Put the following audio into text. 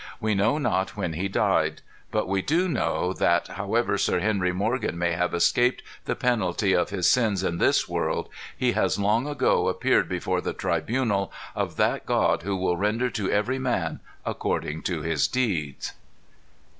We know not when he died. But we do know that, however Sir Henry Morgan may have escaped the penalty of his sins in this world, he has long ago appeared before the tribunal of that God "who will render to every man according to his deeds."